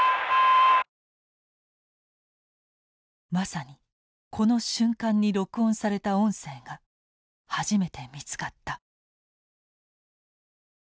まさにこの瞬間に録音された音声が初めて見つかった。